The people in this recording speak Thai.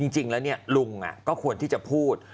จริงแล้วลุงก็ควรที่จะพูด